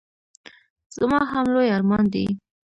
زما هم لوی ارمان دی.